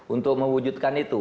untuk mewujudkan itu